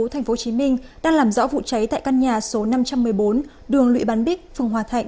tp hcm đang làm rõ vụ cháy tại căn nhà số năm trăm một mươi bốn đường lụy bán bích phường hòa thạnh